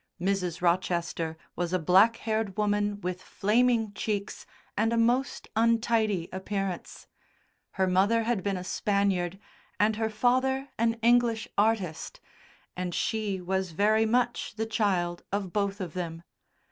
Mrs. Rochester was a black haired woman with flaming cheeks and a most untidy appearance. Her mother had been a Spaniard, and her father an English artist, and she was very much the child of both of them.